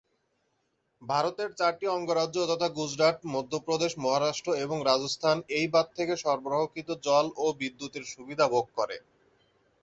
ভারতের চারটি অঙ্গরাজ্য যথা গুজরাট, মধ্যপ্রদেশ, মহারাষ্ট্র এবং রাজস্থান এই বাঁধ থেকে সরবরাহকৃত জল ও বিদ্যুৎ-এর সুবিধা ভোগ করে।